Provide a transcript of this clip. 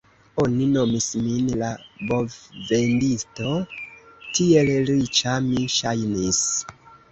Oni nomis min la bovvendisto, tiel riĉa mi ŝajnis!